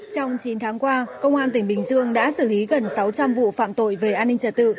trong chín tháng qua công an tỉnh bình dương đã xử lý gần sáu trăm linh vụ phạm tội về an ninh trật tự